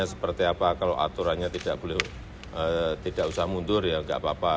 maturannya tidak usah mundur ya enggak apa apa